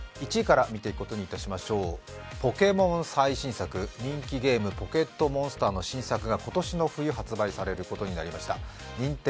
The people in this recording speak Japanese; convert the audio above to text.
１位から見ていくことにしましょうポケモン最新作、人気ゲーム、「ポケットモンスター」の最新作が今年の冬、発売されることになりました。